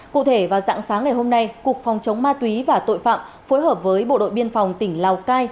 cụ thể vào dạng sáng ngày hôm nay cục phòng chống ma túy và tội phạm phối hợp với bộ đội biên phòng tỉnh lào cai